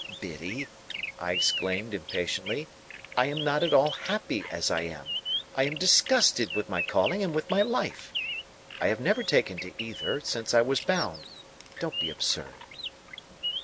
"Biddy," I exclaimed, impatiently, "I am not at all happy as I am. I am disgusted with my calling and with my life. I have never taken to either, since I was bound. Don't be absurd."